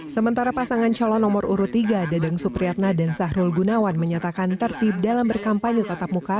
sementara pasangan calon nomor urut tiga dedeng supriyatna dan sahrul gunawan menyatakan tertib dalam berkampanye tatap muka